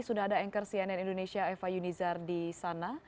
sudah ada anchor cnn indonesia eva yunizar di sana